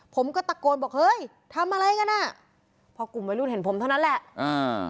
ผมก็ตะโกนบอกเฮ้ยทำอะไรกันอ่ะพอกลุ่มวัยรุ่นเห็นผมเท่านั้นแหละอ่า